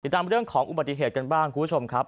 ตามเรื่องของอุบัติเหตุกันบ้างคุณผู้ชมครับ